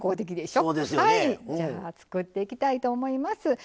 じゃ作っていきたいと思います。